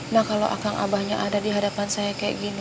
nah kalau akan abahnya ada dihadapan saya kayak gini